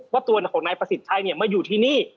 ว่าตัวของนายประสิทธิ์ชัยมาอยู่ที่นี่